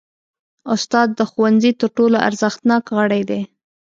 استاد د ښوونځي تر ټولو ارزښتناک غړی دی.